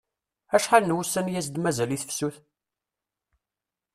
Acḥal n wussan i as-d-mazal i tefsut?